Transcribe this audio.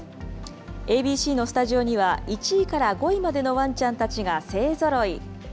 ＡＢＣのスタジオには、１位から５位までのわんちゃんたちが勢ぞろい。